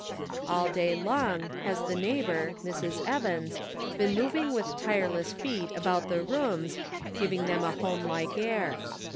All day long has the neighbor, Mrs. Evans, been moving with tire less feet about the rooms, giving them a home like air.